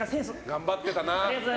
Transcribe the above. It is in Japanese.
頑張ってたな。